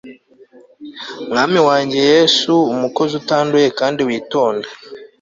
Mwami wanjye Yesu umukozi utanduye kandi witonda